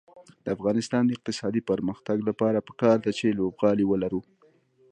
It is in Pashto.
د افغانستان د اقتصادي پرمختګ لپاره پکار ده چې لوبغالي ولرو.